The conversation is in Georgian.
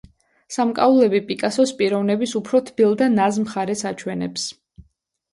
სამკაულები პიკასოს პიროვნების უფრო თბილ და ნაზ მხარეს აჩვენებს.